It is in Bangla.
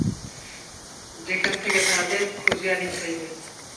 যেখানে থাকে তাহাদের খুঁজিয়া আনিতে হইবে!